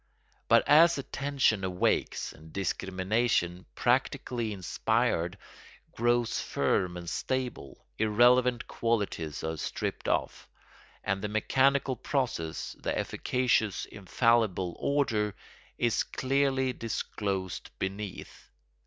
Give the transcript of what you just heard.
But as attention awakes and discrimination, practically inspired, grows firm and stable, irrelevant qualities are stripped off, and the mechanical process, the efficacious infallible order, is clearly disclosed beneath.